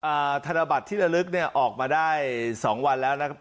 ธนบัตรที่ระลึกเนี่ยออกมาได้สองวันแล้วนะครับ